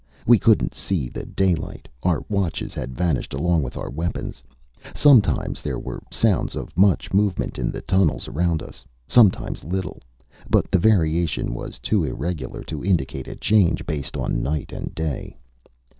We couldn't see the day light. Our watches had vanished along with our weapons. Sometimes there were sounds of much movement in the tunnels around us; sometimes little. But the variation was too irregular to indicate a change based on night and day.